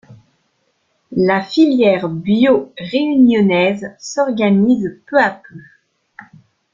La filière Bio réunionnaise s'organise peu à peu.